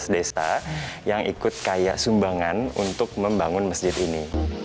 lima belas desa yang ikut kaya sumbangan untuk membangun masjid ini